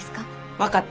分かった。